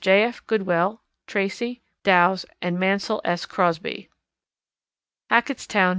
J. F. GOODWELL, TRACY, DOWS, and MAUNSELL S. CROSBY. _Hackettstown, N.